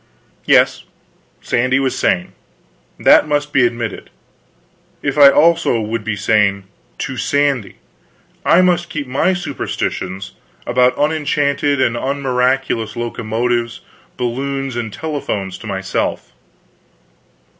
Yes, Sandy was sane; that must be admitted. If I also would be sane to Sandy I must keep my superstitions about unenchanted and unmiraculous locomotives, balloons, and telephones, to myself.